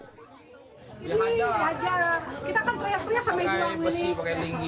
ini aja kita kan pria pria sampai ini